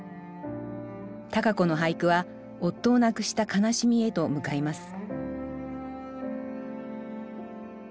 多佳子の俳句は夫を亡くした悲しみへと向かいます